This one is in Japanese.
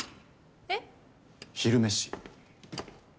えっ？昼飯。